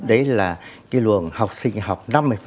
đấy là cái luồng học sinh học năm mươi